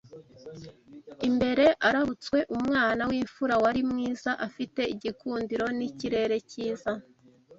imbere Arabutswe umwana w’imfura, wari mwiza afite igikundiro n’ikirere cyiza